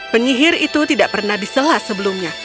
penyihir itu tidak pernah diselas sebelumnya